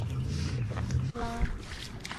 县治米尼奥拉。